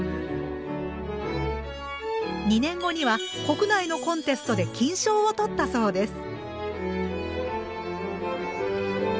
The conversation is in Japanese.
２年後には国内のコンテストで金賞を取ったそうです。